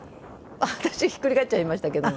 私ひっくり返っちゃいましたけど。